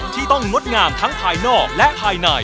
ที่ต้องงดงามทั้งภายนอกและภายใน